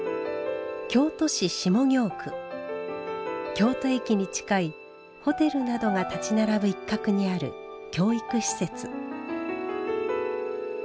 京都駅に近いホテルなどが立ち並ぶ一角にある教育施設。